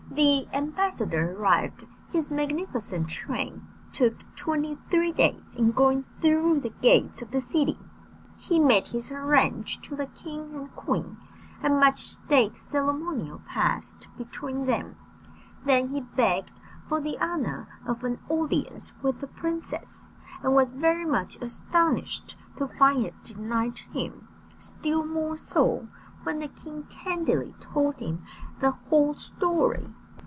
The ambassador arrived; his magnificent train took twenty three days in going through the gates of the city. He made his harangue to the king and queen, and much state ceremonial passed between them; then he begged for the honour of an audience with the princess, and was very much astonished to find it denied him still more so, when the king candidly told him the whole story.